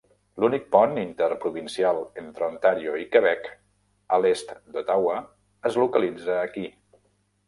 L'únic pont interprovincial entre Ontario i Quebec, a l'est d'Ottawa, es localitza aquí.